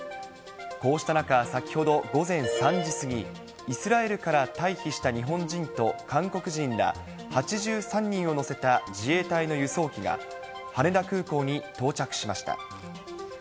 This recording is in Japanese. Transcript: こうした中、先ほど午前３時過ぎ、イスラエルから退避した日本人と韓国人ら８３人を乗せた自衛隊の輸送機が、羽田空港に到着しました。